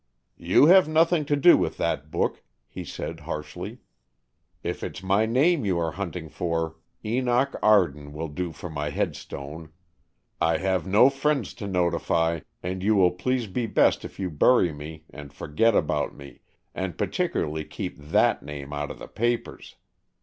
"You have nothing to do with that book," he said harshly. "If it's my name you are hunting for, Enoch Arden will do for my headstone. I have no friends to notify, and you will please me best if you bury me and forget about me, and particularly keep that name out of the papers.